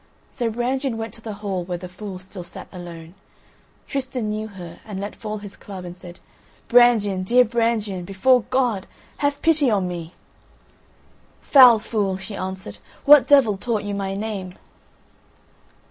So Brangien went to the hall where the fool still sat alone. Tristan knew her and let fall his club and said: "Brangien, dear Brangien, before God! have pity on me!" "Foul fool," she answered, "what devil taught you my name?"